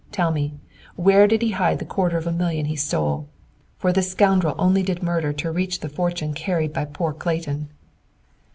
Tell me, where did he hide the quarter of a million he stole? For this scoundrel only did murder to reach the fortune carried by poor Clayton!"